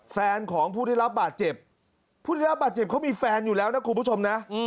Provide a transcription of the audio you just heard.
แฟนของผู้ได้รับบาดเจ็บผู้ได้รับบาดเจ็บเขามีแฟนอยู่แล้วนะคุณผู้ชมนะ